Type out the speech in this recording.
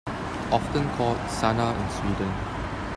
Often called 'Sanna' in Sweden.